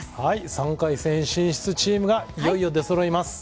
３回戦進出チームがいよいよ出そろいます。